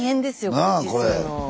これ維持するの。